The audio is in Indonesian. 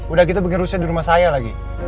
udah gitu bikin rusuh di rumah saya lagi